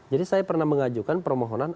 jadi saya pernah mengajukan permohonan